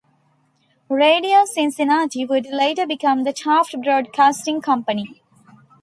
Radio Cincinnati would later become the Taft Broadcasting Company.